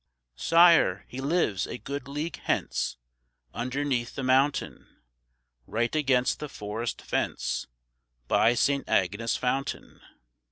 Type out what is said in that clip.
"Sire, he lives a good league hence, Underneath the mountain; Right against the forest fence, By Saint Agnes' fountain."